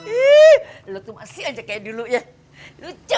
ih lu tuh masih aja kaya dulu ya lucu